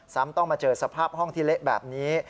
ซ้ำต้องมาเจอสภาพห้องที่เละแบบนี้